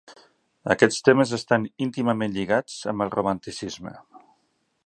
Aquests temes estan íntimament lligats amb el romanticisme.